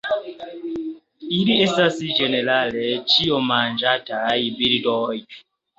Ili estas ĝenerale ĉiomanĝantaj birdoj.